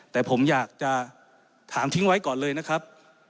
แต่ผมอยากจะถามทิ้งไว้ก่อนเลยนะครับ